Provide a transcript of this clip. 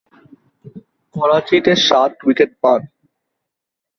করাচিতে সাত উইকেট পান।